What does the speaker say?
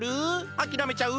あきらめちゃう？